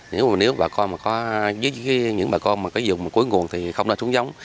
nếu bà con có dùng cuối nguồn thì không nên trúng giống